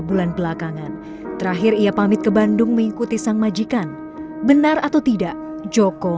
bulan belakangan terakhir ia pamit ke bandung mengikuti sang majikan benar atau tidak joko